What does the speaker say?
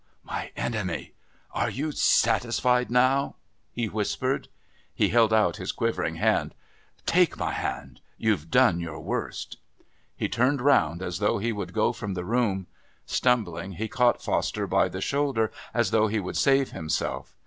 my enemy. Are you satisfied now?" he whispered. He held out his quivering hand. "Take my hand. You've done your worst." He turned round as though he would go from the room. Stumbling, he caught Foster by the shoulder as though he would save himself.